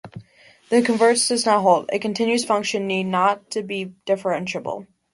"The converse does not hold": a continuous function need not be differentiable.